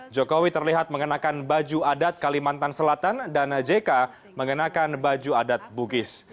jokowi terlihat mengenakan baju adat kalimantan selatan dan jk mengenakan baju adat bugis